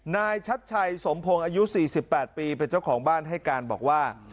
นายชัดชัยสมพงศ์อายุ๔๘ปีเป็นเจ้าของบ้านให้การบอกว่า